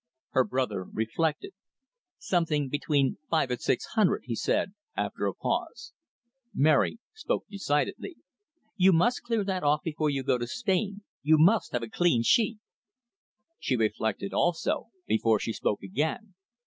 Her brother reflected. "Something between five and six hundred," he said, after a pause. Mary spoke decidedly. "You must clear that off before you go to Spain you must have a clean sheet." She reflected also, before she spoke again.